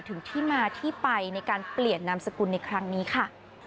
ถึงที่มาที่ไปในการเปลี่ยนนามสกุลในครั้งนี้ค่ะ